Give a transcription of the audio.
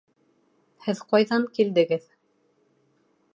Һеҙ ҡайҙан килдегеҙ?